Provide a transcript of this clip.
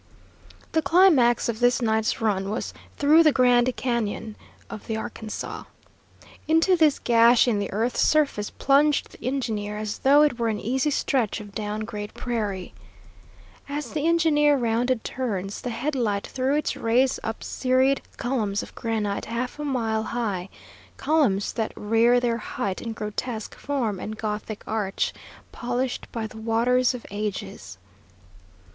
The climax of this night's run was through the Grand Cañon of the Arkansas. Into this gash in the earth's surface plunged the engineer, as though it were an easy stretch of down grade prairie. As the engine rounded turns, the headlight threw its rays up serried columns of granite half a mile high, columns that rear their height in grotesque form and Gothic arch, polished by the waters of ages.